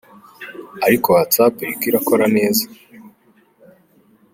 Ariko Whats app iriko irakora neza.